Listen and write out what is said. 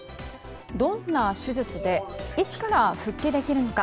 どんな手術でいつから復帰できるのか。